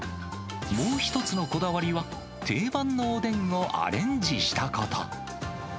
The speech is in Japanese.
もう一つのこだわりは、定番のおでんをアレンジしたこと。